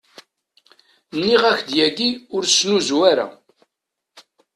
Nniɣ-ak-d yagi ur ssnuzu ara.